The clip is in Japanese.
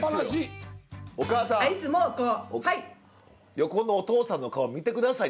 横のおとうさんの顔見て下さい。